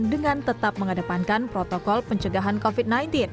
dengan tetap mengedepankan protokol pencegahan covid sembilan belas